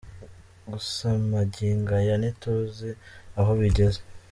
Gusa mangingo aya ntituzi aho bigeze.